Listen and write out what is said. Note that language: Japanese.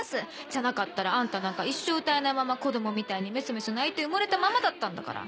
じゃなかったらあんたなんか一生歌えないまま子供みたいにメソメソ泣いて埋もれたままだったんだから。